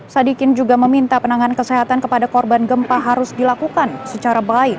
sadikin juga meminta penanganan kesehatan kepada korban gempa harus dilakukan secara baik